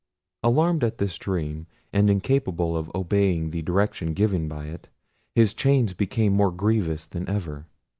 Alarmed at this dream, and incapable of obeying the direction given by it, his chains became more grievous than ever.